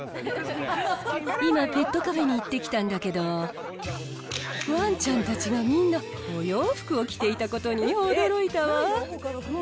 今、ペットカフェに行ってきたんだけど、ワンちゃんたちがみんなお洋服を着ていたことに驚いたわ。